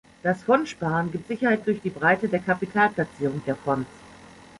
Das Fondsparen gibt Sicherheit durch die Breite der Kapitalplazierung der Fonds.